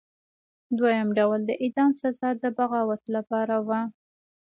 دویم ډول د اعدام سزا د بغاوت لپاره وه.